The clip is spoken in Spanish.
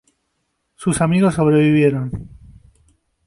Sus amigos sobrevivieron.